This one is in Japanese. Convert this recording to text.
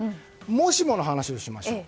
もしもの話をしましょう。